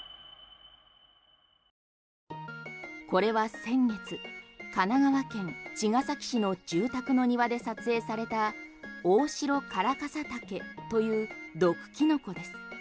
これは先月神奈川県茅ヶ崎市の住宅の庭で撮影されたオオシロカラカサタケという毒キノコです。